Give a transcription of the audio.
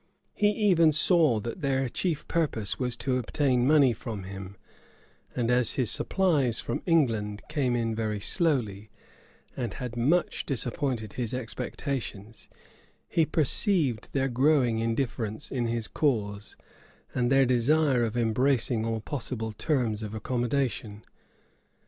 He even saw that their chief purpose was to obtain money from him; and as his supplies from England came in very slowly, and had much disappointed his expectations, he perceived their growing indifference in his cause, and their desire of embracing all plausible terms of accommodation.